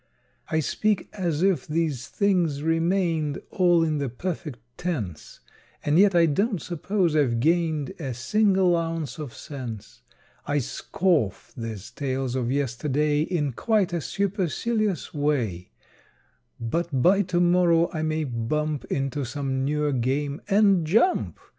I speak as if these things remained All in the perfect tense, And yet I don't suppose I've gained A single ounce of sense. I scoff these tales of yesterday In quite a supercilious way, But by to morrow I may bump Into some newer game and jump!